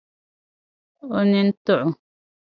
O nini tiɣi o.